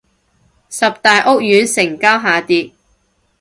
十大屋苑成交下跌